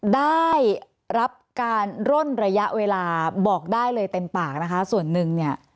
ได้รับการร่นระยะเวลาบอกได้เลยเต็มปากนะคะส่วนหนึ่งเนี่ย